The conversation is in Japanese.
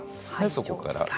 そこから。